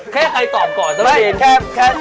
แค่ใครตอบก่อนสำเร็จ